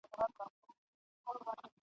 ته به پروت یې په محراب کي د کلونو رنځ وهلی !.